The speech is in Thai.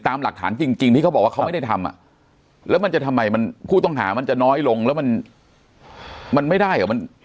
ตามหลักฐานจริงที่เขาบอกว่าเขาไม่ได้ทำแล้วมันจะทำไมมันผู้ต้องหามันจะน้อยลงแล้วมันไม่ได้เหรอ